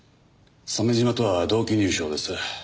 鮫島とは同期入省です。